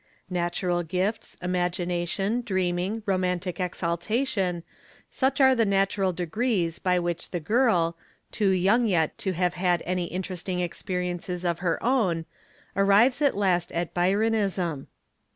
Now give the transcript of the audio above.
Natural gifts, imagination, dreaming, romanti exaltation, such are the natural degrees by which the girl, too young to have had any interesting experiences of her own, arrives at last at '"Byronism."